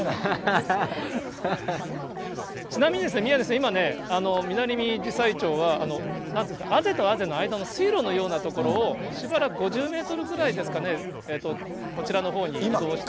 ちなみにですね、宮根さん、今ね、ミナミジサイチョウは、なんていうんですか、あぜとあぜの間の水路のような所を、しばらく５０メートルぐらいですかね、こちらのほうに移動して。